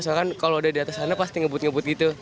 soalnya kalau udah di atas sana pasti ngebut ngebut gitu